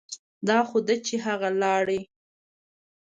دا خو ده چې هغه لاړې.